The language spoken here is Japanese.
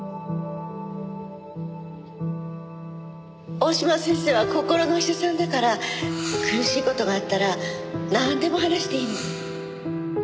大嶋先生は心のお医者さんだから苦しい事があったらなんでも話していいの。